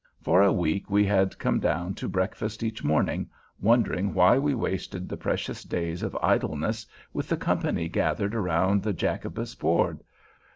For a week we had come down to breakfast each morning, wondering why we wasted the precious days of idleness with the company gathered around the Jacobus board.